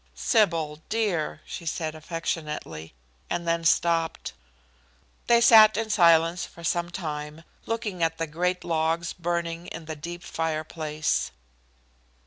"Sybil, dear," she said affectionately, and then stopped. They sat in silence for some time, looking at the great logs burning in the deep fire place.